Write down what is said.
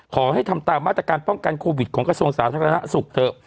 ขอให้ทำตามมาตรการป้องกันโควิดของกระทรวงศาสตร์ธรรมนาศุกร์เถอะ